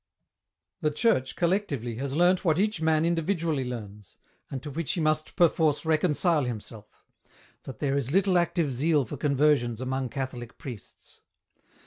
The Church collectively has learnt what each man indi vidually learns, and to which he must perforce reconcile himself, that there is little active zeal for conversions among CathoHc priests.